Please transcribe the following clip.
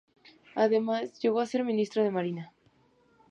Además, llegó a ser Ministro de Marina.